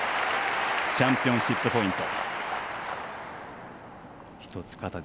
チャンピオンシップポイント。